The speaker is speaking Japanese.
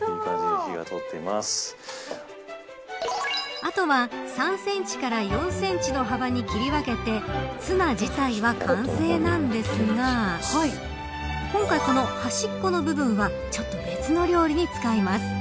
あとは、３センチから４センチの幅に切り分けてツナ自体は完成なんですが今回この端っこの部分はちょっと別の料理に使います。